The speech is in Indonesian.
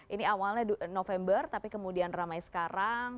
ini awalnya november tapi kemudian ramai sekarang